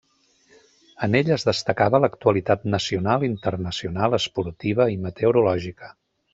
En ell es destacava l'actualitat nacional, internacional, esportiva i meteorològica.